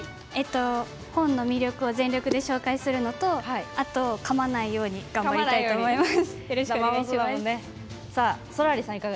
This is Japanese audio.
本の魅力を全力で紹介するのとあと、かまないように頑張りたいと思います。